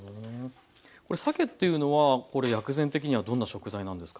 これさけっていうのはこれ薬膳的にはどんな食材なんですか？